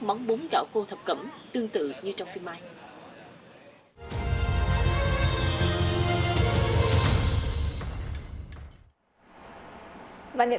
món bún gạo khô thập cẩm tương tự như trong phim mai